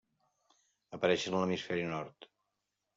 Apareixen a l'hemisferi nord.